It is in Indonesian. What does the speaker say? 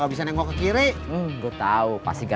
kalau minum caranya bukan begitu